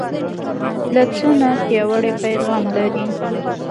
لاسونه پیاوړی پیغام لري